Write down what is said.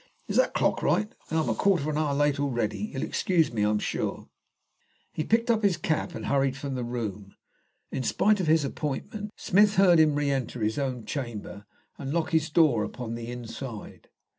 Is that clock right? Then I am a quarter of an hour late already. You'll excuse me, I am sure." He picked up his cap and hurried from the room. In spite of his appointment, Smith heard him re enter his own chamber and lock his door upon the inside.